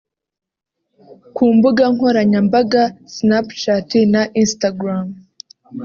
Ku mbuga nkoranyambaga Snapchat na Instagram